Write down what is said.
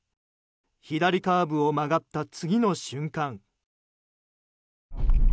左カーブを曲がった次の瞬間。